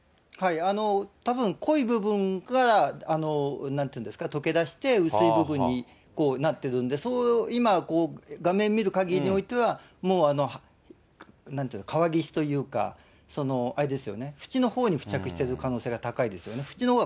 たぶん、濃い部分から、なんていうんですか、溶けだして、薄い部分になってるんで、今、画面見るかぎりにおいては、もう川岸というか、あれですよね、縁のほうに付着してる可能性が高いですよね。